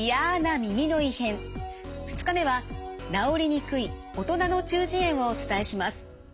２日目は「治りにくい“大人の中耳炎”」をお伝えします。